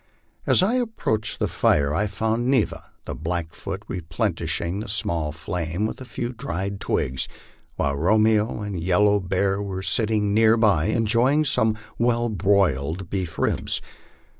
As I approached the fire I found Neva, the Blackfoot, replenishing the email flame with a few dried twigs, while Romeo and Yellow Bear were sit ting near by enjoying some well broiled beef ribs.